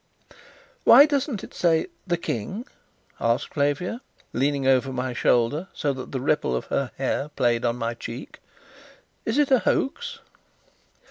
"Why doesn't it say 'the King'?" asked Flavia, leaning over my shoulder, so that the ripple of her hair played on my cheek. "Is it a hoax?"